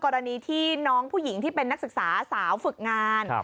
กรณีที่น้องผู้หญิงที่เป็นนักศึกษาสาวฝึกงาน